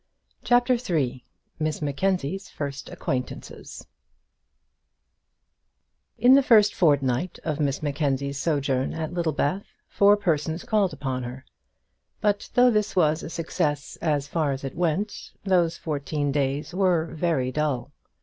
CHAPTER III Miss Mackenzie's First Acquaintances In the first fortnight of Miss Mackenzie's sojourn at Littlebath, four persons called upon her; but though this was a success as far as it went, those fourteen days were very dull.